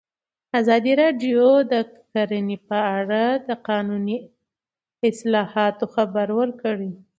ازادي راډیو د کرهنه په اړه د قانوني اصلاحاتو خبر ورکړی.